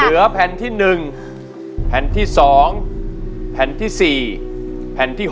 เหลือแผ่นที่๑แผ่นที่๒แผ่นที่๔แผ่นที่๖